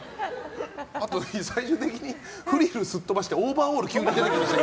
あと、最終的にフリルをすっ飛ばしてオーバーオールになりましたよ。